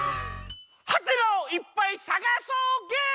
はてなをいっぱいさがそうゲーム！